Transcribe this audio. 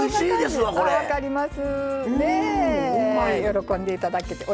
喜んでいただけて。